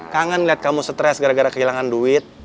kangen lihat kamu stres gara gara kehilangan duit